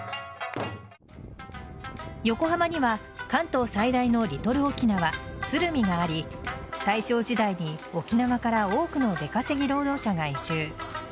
横浜には、関東最大のリトル沖縄・鶴見があり大正時代に沖縄から多くの出稼ぎ労働者が移住。